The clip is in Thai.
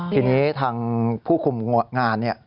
ทีนี้ทางผู้คุมงานเนี่ย